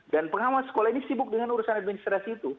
dan pengawas sekolah ini sibuk dengan urusan administrasi itu